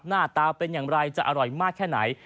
หน้าตาเป็นอย่างไรจะอร่อยมากแค่ไหน